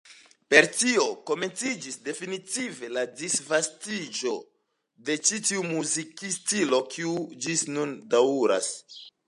Per tio komenciĝis definitive la disvastiĝo de ĉi tiu muzikstilo, kiu ĝis nun daŭras.